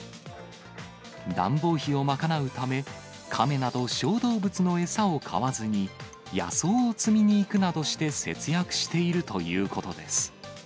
暖房費を賄うため、カメなど小動物の餌を買わずに、野草を摘みに行くなどして節約しているということです。